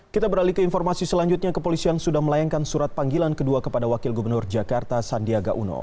kita beralih ke informasi selanjutnya kepolisian sudah melayangkan surat panggilan kedua kepada wakil gubernur jakarta sandiaga uno